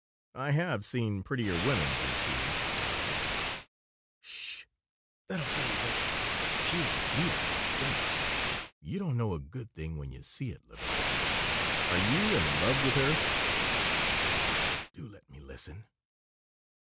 "I have seen prettier women than she," I replied "'S sh! Let a fellow listen. She is a dear, all the same. You don't know a good thing when you see it, Levinsky." "Are you in love with her?" "'S sh! Do let me listen."